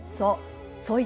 そう。